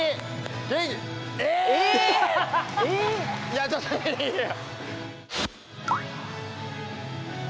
いやちょっといやいや。